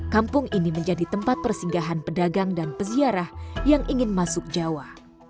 kampung ini menjadi tempat persinggahan pedagang dan peziarah yang ingin masuk jawa